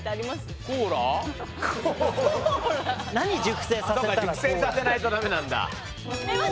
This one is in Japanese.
熟成させないとダメなんだ。